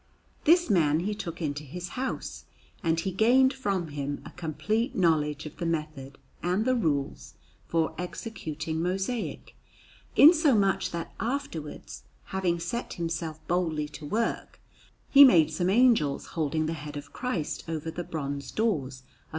This man he took into his house, and he gained from him a complete knowledge of the method and the rules for executing mosaic, insomuch that afterwards, having set himself boldly to work, he made some angels holding the head of Christ over the bronze doors of S.